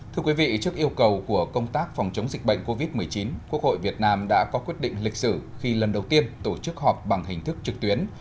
thưa quý vị trước yêu cầu của công tác phòng chống dịch bệnh covid một mươi chín quốc hội việt nam đã có quyết định lịch sử khi lần đầu tiên tổ chức họp bằng hình thức trực tuyến